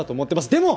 でも！